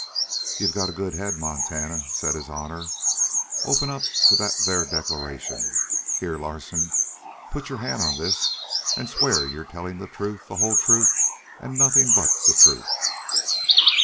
"You got a good head, Montana," said his honor. "Open up to that there Declaration. Here, Larsen, put your hand on this and swear you're telling the truth, the whole truth, and nothing but the truth.